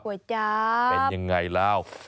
นี่ก๋วยจั๊บเป็นยังไงแล้ว